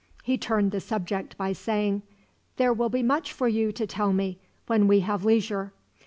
He turned the subject by saying: "There will be much for you to tell me, when we have leisure.